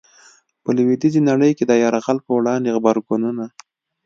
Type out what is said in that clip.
په لويديځي نړۍ کي د يرغل په وړاندي غبرګونونه